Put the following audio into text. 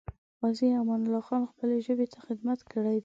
غازي امان الله خان خپلې ژبې ته خدمت کړی دی.